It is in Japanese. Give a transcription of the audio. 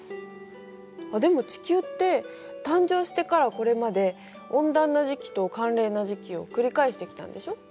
でも地球って誕生してからこれまで温暖な時期と寒冷な時期を繰り返してきたんでしょ。